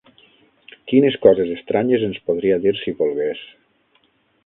Quines coses estranyes ens podria dir si volgués!